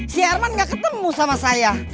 si herman nggak ketemu sama saya